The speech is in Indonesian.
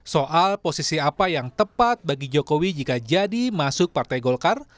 soal posisi apa yang tepat bagi jokowi jika jadi masuk partai golkar